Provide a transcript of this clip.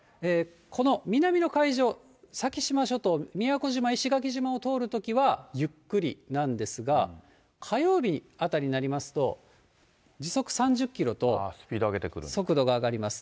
この南の海上、先島諸島、宮古島、石垣島を通るときはゆっくりなんですが、火曜日あたりになりますと、時速３０キロと速度が上がります。